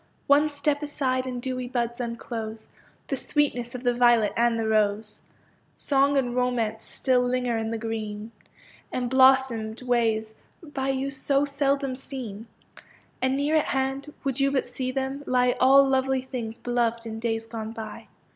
One step aside and dewy buds unclose The sweetness of the violet and the rose ; Song and romance still linger in the green, Emblossomed ways by you so seldom seen, And near at hand, would you but see them, lie All lovely things beloved in days gone by.